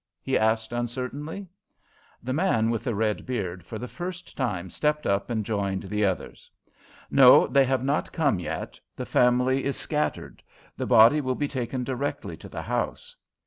he asked uncertainly. The man with the red beard for the first time stepped up and joined the others. "No, they have not come yet; the family is scattered. The body will be taken directly to the house."